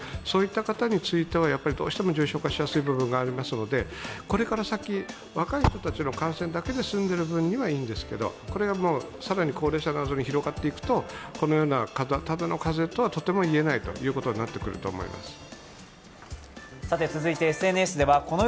そういった方についてはどうしても重症化しやすい部分がありますので、これから先、若い人たちの感染だけで済んでいる分にはいいんですがこれが更に高齢者などに広がっていくと、ただの風邪とはとても言えないということになってくると思います。